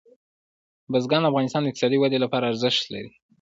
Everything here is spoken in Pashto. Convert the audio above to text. بزګان د افغانستان د اقتصادي ودې لپاره ارزښت لري.